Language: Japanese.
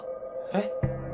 えっ？